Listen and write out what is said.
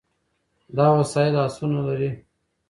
دا وسایل لاسونه لري.